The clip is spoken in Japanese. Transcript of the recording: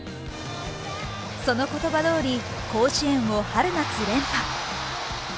その言葉どおり甲子園を春・夏連覇